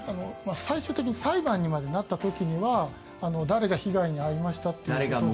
最終的に裁判にまでなった時は誰が被害に遭いましたということで。